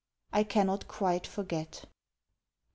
I cannot quite forget. 1880.